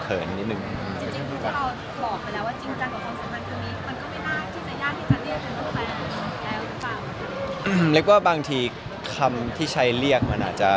เรียกว่าบางทีคำที่ใช้เรียกมันอาจจะ